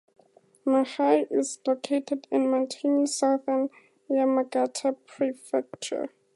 Nagai is located in mountainous southern Yamagata Prefecture.